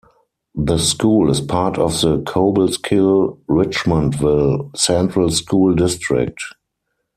The school is part of the Cobleskill-Richmondville Central School District.